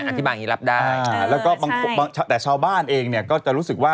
อะไรแบบนั้นแต่ชาวบ้านเองเนี่ยก็จะรู้สึกว่า